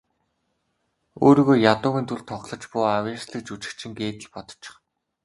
Өөрийгөө ядуугийн дүрд тоглож буй авъяаслагжүжигчин гээд л бодчих.